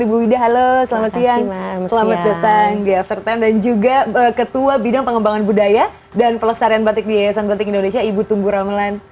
ibu wida halo selamat siang selamat datang di after sepuluh dan juga ketua bidang pengembangan budaya dan pelestarian batik di yayasan batik indonesia ibu tunggu ramelan